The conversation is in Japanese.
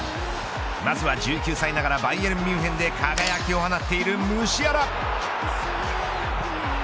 まずは１９歳ながらバイエルンミュンヘンで輝きを放っているムシアラ。